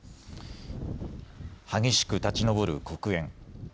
激しく立ち上る黒煙。